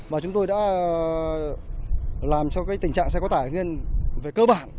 và chúng tôi đã làm cho cái tình trạng xe quá tải lên về cơ bản